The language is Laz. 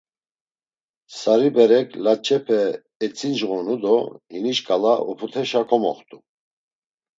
Sari berek, laç̌epe etzincğonu do hini şǩala oput̆eşa komoxt̆u.